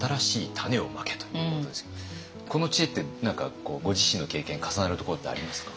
この知恵って何かご自身の経験重なるところってありますか？